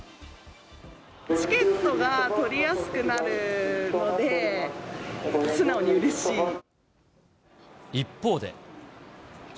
チケットが取りやすくなるの一方で。